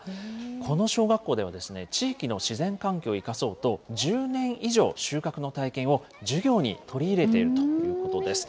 この小学校では地域の自然環境を生かそうと、１０年以上、収穫の体験を授業に取り入れているということです。